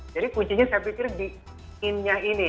jadi kuncinya saya pikir di in nya ini